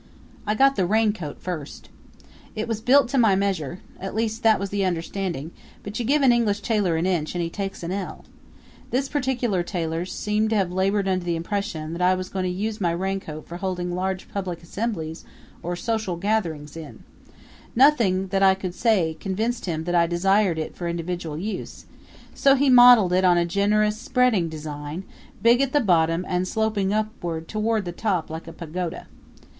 I got the raincoat first. It was built to my measure; at least that was the understanding; but you give an English tailor an inch and he takes an ell. This particular tailor seemed to labor under the impression that I was going to use my raincoat for holding large public assemblies or social gatherings in nothing that I could say convinced him that I desired it for individual use; so he modeled it on a generous spreading design, big at the bottom and sloping up toward the top like a pagoda.